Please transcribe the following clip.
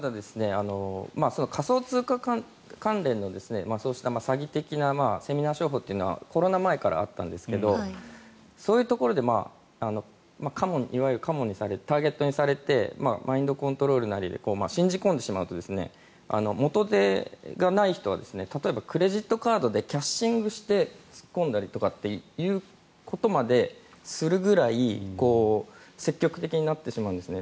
仮想通貨関連のそうした詐欺的なセミナー商法というのはコロナ前からあったんですけどそういうところでいわゆるカモターゲットにされてマインドコントロールなりで信じ込んでしまうと元手がない人は例えばクレジットカードでキャッシングをして突っ込んだりということまでするぐらい積極的になってしまうんですね。